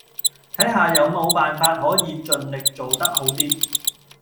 睇下有冇辦法可以盡力做得好啲